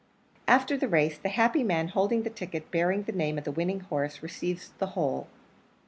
After the race, the happy man holding the ticket bearing the name of the winning horse receives the whole.